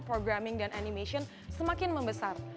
programming dan animation semakin membesar